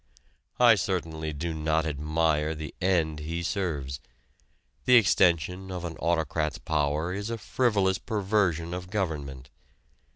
I certainly do not admire the end he serves: the extension of an autocrat's power is a frivolous perversion of government.